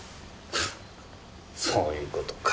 フッそういうことか。